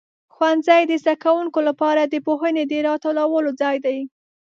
ښوونځي د زده کوونکو لپاره د پوهنې د راټولو ځای دی.